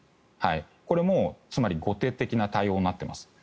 これもつまり後手的な対応になっています。